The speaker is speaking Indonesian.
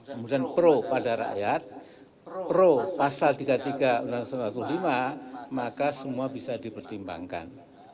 kemudian pro pada rakyat pro pasal tiga puluh tiga undang undang seribu sembilan ratus empat puluh lima maka semua bisa dipertimbangkan